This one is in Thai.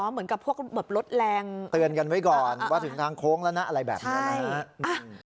เหมือนกับพวกแบบลดแรงเตือนกันไว้ก่อนว่าถึงทางโค้งแล้วนะอะไรแบบนี้นะฮะ